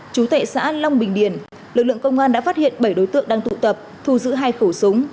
chú tệ xã long bình điền lực lượng công an đã phát hiện bảy đối tượng đang tụ tập thu giữ hai khẩu súng